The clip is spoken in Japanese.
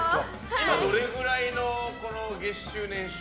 今、どれくらいの月収、年収？